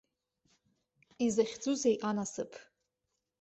Изахьӡузеи анасыԥ!